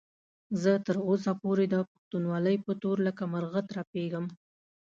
زه تر اوسه پورې د پښتونولۍ په تور لکه مرغه ترپېږم.